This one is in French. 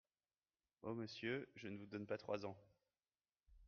Oh ! monsieur, je ne vous donne pas trois ans…